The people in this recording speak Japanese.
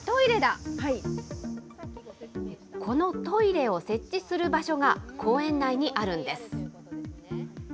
このトイレを設置する場所が公園内にあるんです。